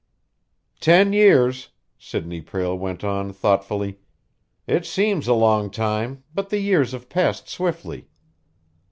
"Ten years," Sidney Prale went on thoughtfully. "It seems a long time, but the years have passed swiftly."